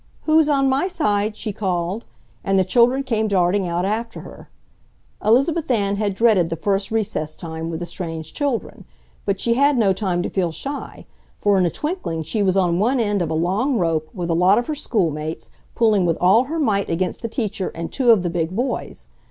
"Who's on my side!" she called, and the children came darting out after her. Elizabeth Ann had dreaded the first recess time with the strange children, but she had no time to feel shy, for in a twinkling she was on one end of a long rope with a lot of her schoolmates, pulling with all her might against the teacher and two of the big boys.